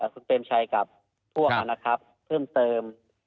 คุณเปรมชัยกับพวกนะครับเพิ่มเติม